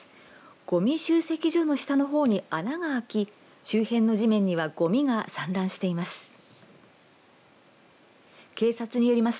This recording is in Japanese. ごみ集積所の下のほうに穴が開き、周辺の地面にはごみが散乱しています。